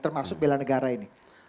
termasuk belan negara ini